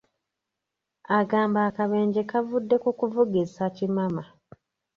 Agamba akabenje kavudde ku kuvugisa kimama .